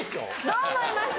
どう思います？